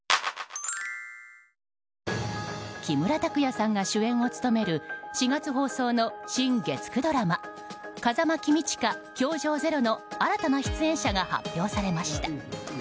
木村拓哉さんが主演を務める４月放送の新月９ドラマ「風間公親‐教場０‐」の新たな出演者が発表されました。